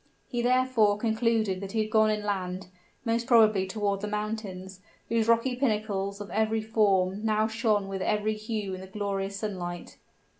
He therefore concluded that he had gone inland, most probably toward the mountains, whose rocky pinnacles, of every form, now shone with every hue in the glorious sunlight.